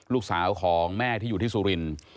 ลูกสาวของแม่ที่อยู่ที่สุรินทร์